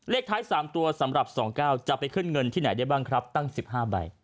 ท้าย๓ตัวสำหรับ๒๙จะไปขึ้นเงินที่ไหนได้บ้างครับตั้ง๑๕ใบ